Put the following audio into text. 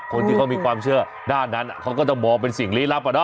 คนที่เขามีความเชื่อหน้านั้นอ่ะเขาก็จะบอกเป็นเสียงหลีลับอ่ะเนาะ